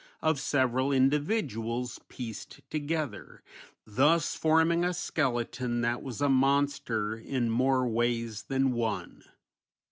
61) of several individuals pieced together, thus forming a skeleton that was a monster in more ways than one.